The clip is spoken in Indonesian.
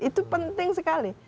itu penting sekali